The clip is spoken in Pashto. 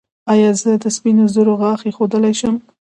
ایا زه د سپینو زرو غاښ ایښودلی شم؟